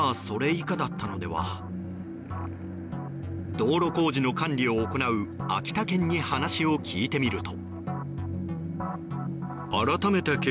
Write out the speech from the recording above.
道路工事の管理を行う秋田県に話を聞いてみると。